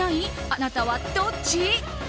あなたはどっち？